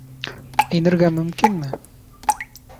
Инергә мөмкинме?